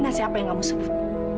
nah siapa yang kamu sebut